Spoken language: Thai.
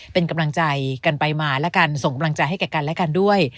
เป็นกำลังใจกันไปมาแล้วกันส่งกำลังใจให้แก่กันและกันด้วย